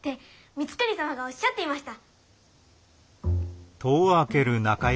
光圀様がおっしゃっていました。